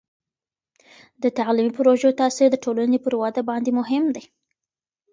د تعلیمي پروژو تاثیر د ټولني پر وده باندې مهم دی.